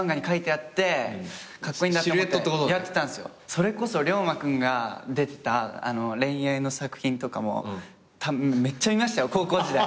それこそ涼真君が出てた恋愛の作品とかもめっちゃ見ましたよ高校時代。